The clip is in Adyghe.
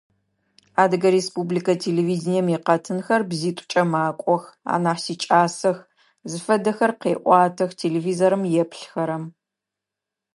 Адыгэ республикэ телевидением икъэтынхэр бзитӀукӀэ макӀох, анахь сикӀасэх, зыфэдэхэр къеӀуатэх, телевизорым еплъыхэрэм.